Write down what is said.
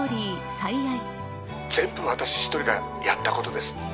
「最愛」全部私一人がやったことです